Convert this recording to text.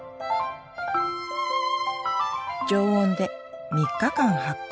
常温で３日間発酵。